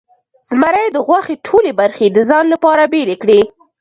زمري د غوښې ټولې برخې د ځان لپاره بیلې کړې.